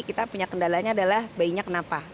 kita punya kendalanya adalah bayinya kenapa